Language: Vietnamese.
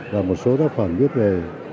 và một số tác phẩm viết về